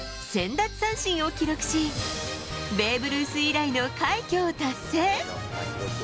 奪三振を記録し、ベーブ・ルース以来の快挙を達成。